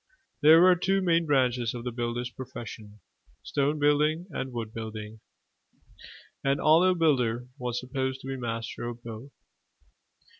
There were two main branches of the builder's profession: stone building and wood building. An ollave builder was supposed to be master of both.